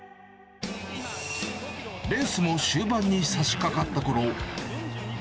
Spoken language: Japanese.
レースも終盤にさしかかったころ。